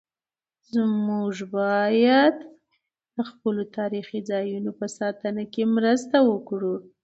موږ باید د خپلو تاریخي ځایونو په ساتنه کې مرسته وکړو.